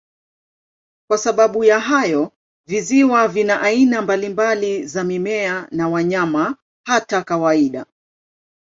Kwa sababu ya hayo, visiwa vina aina mbalimbali za mimea na wanyama, hata kawaida.